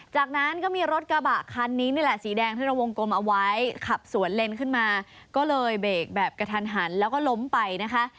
จากนั้นก็มีรถกระบะคันนี้นี่แหละสีแดงที่เราวงกลมเอาไว้ขับสวนเลนขึ้นมาก็เลยเบรกแบบกระทันหันแล้วก็ล้มไปนะคะ